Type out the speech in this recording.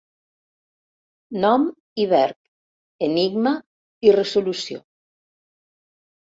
Nom i verb, enigma i resolució.